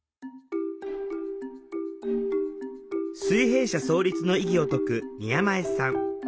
水平社創立の意義を説く宮前さん。